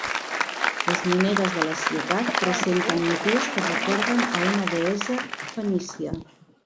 Les monedes de la ciutat presenten motius que recorden a una deessa fenícia.